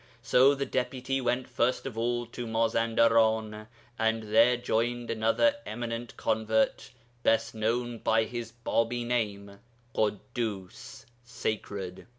So the Deputy went first of all to Mazandaran, and there joined another eminent convert, best known by his Bābī name Ḳuddus (sacred).